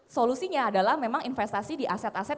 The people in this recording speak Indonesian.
solusinya adalah memang investasi di aset aset